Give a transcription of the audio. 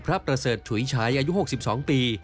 ประเสริฐฉุยฉายอายุ๖๒ปี